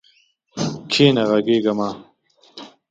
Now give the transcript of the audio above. کښېنه، غږ مه کوه.